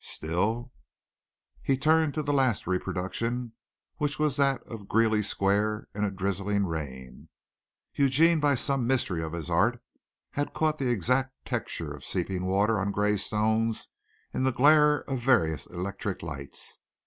Still He turned to the last reproduction which was that of Greeley Square in a drizzling rain. Eugene by some mystery of his art had caught the exact texture of seeping water on gray stones in the glare of various electric lights.